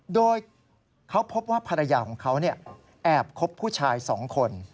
โดยเขาพบว่าภรรยาของเขาแอบคบผู้ชาย๒คน